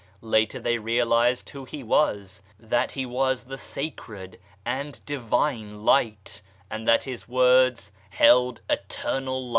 Later they realized who He was ; that He was the Sacred and Divine Light, and that His words held Eternal Life.